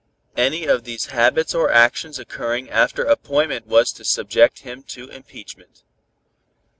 Any of these habits or actions occurring after appointment was to subject him to impeachment.